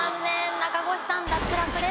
中越さん脱落です。